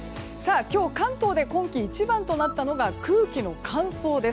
今日関東で今季一番となったのは空気の乾燥です。